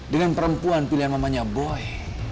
dengan perempuan pilihan namanya boy